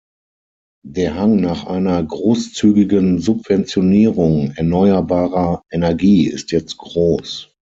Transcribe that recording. Der Hang nach einer großzügigen Subventionierung erneuerbarer Energie ist jetzt groß.